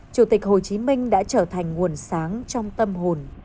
chủ tịch hồ chí minh đã trở thành nguồn sáng trong tâm hồn